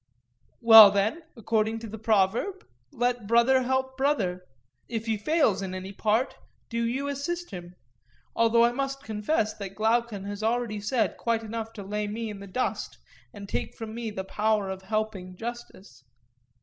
Well, then, according to the proverb, 'Let brother help brother'—if he fails in any part do you assist him; although I must confess that Glaucon has already said quite enough to lay me in the dust, and take from me the power of helping justice.